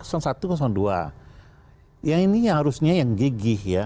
yang ini harusnya yang gigih ya